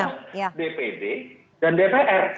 tapi yang ada adalah dpd dan dpr